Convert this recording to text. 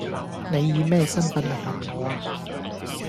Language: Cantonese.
你以咩身份嚟問我呀？